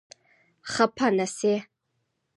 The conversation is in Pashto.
خپه نه شې.